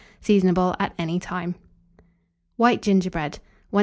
Seasonable at any time. WHITE GINGERBREAD. 1762.